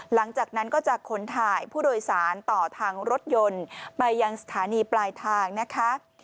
หลังจากนั้นก็จะขนถ่ายผู้โดยสารต่อทางรถยนต์ไปยังสถานีปลายทางนะคะ